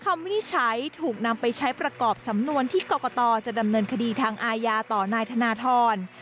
วินิจฉัยถูกนำไปใช้ประกอบสำนวนที่กรกตจะดำเนินคดีทางอาญาต่อนายธนทร